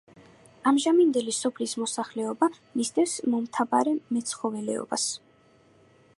ამჟამინდელი სოფლის მოსახლეობა მისდევს მომთაბარე მეცხოველეობას.